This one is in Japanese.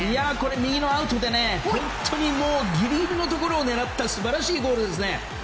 右のアウトで本当にギリギリのところを狙った素晴らしいゴールですね。